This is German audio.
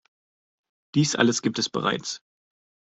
Dies alles gibt es bereits.